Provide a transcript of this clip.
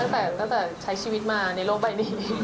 ตั้งแต่ใช้ชีวิตมาในโลกใบนี้